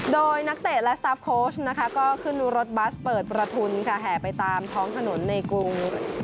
โดยนักเตะและสตาร์ฟโค้ชนะคะก็ขึ้นรถบัสเปิดประทุนค่ะแห่ไปตามท้องถนนในกรุง